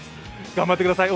頑張ってください！